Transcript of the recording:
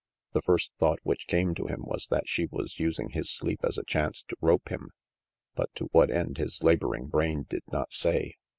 The first thought which came to him was that she was using his sleep as a chance to rope him; but to what end his laboring brain did not say.